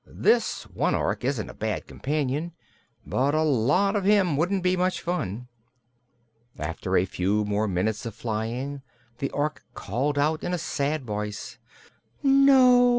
This one Ork isn't a bad companion, but a lot of him wouldn't be much fun." After a few more minutes of flying the Ork called out in a sad voice: "No!